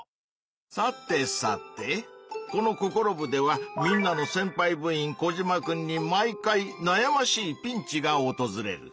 さてさてこの「ココロ部！」ではみんなのせんぱい部員コジマくんに毎回なやましいピンチがおとずれる。